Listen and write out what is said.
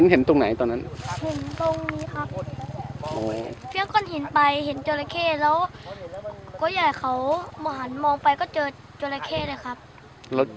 แล้วก็อย่าให้เขาหันมองไปก็เจอเจ้าเล็กเข้เลยครับ